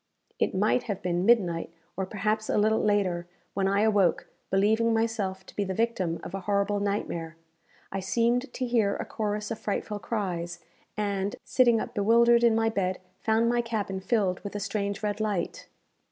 It might have been midnight, or perhaps a little later, when I awoke, believing myself to be the victim of a horrible nightmare. I seemed to hear a chorus of frightful cries, and, sitting up bewildered in my bed, found my cabin filled with a strange red light.